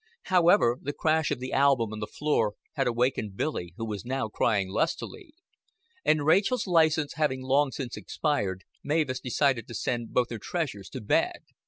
However, the crash of the album on the floor had awakened Billy, who was now crying lustily; and Rachel's license having long since expired, Mavis decided to send both her treasures to bed.